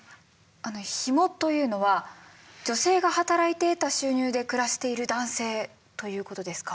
あのヒモというのは女性が働いて得た収入で暮らしている男性ということですか？